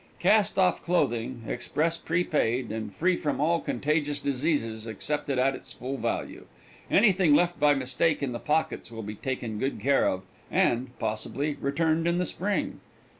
Cast off clothing, express prepaid, and free from all contagious diseases, accepted at its full value. Anything left by mistake in the pockets will be taken good care of, and, possibly, returned in the spring.